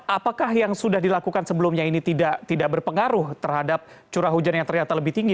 apakah yang sudah dilakukan sebelumnya ini tidak berpengaruh terhadap curah hujan yang ternyata lebih tinggi